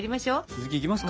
続きいきますか。